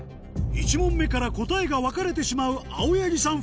１問目から答えが分かれてしまう青柳さん